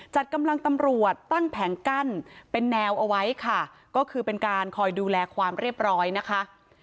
จัดกำลังตำรวจตั้งแผงกั้นเป็นแนวเอาไว้ค่ะก็คือเป็นการคอยดูแลความเรียบร้อยนะคะ